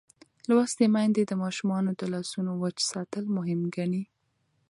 لوستې میندې د ماشومانو د لاسونو وچ ساتل مهم ګڼي.